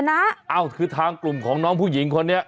เอ้าคือทางกลุ่มของน้องผู้หญิงคนนี้